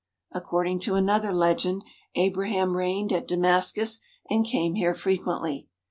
Ac cording to another legend, Abraham reigned at Damascus and came here frequently.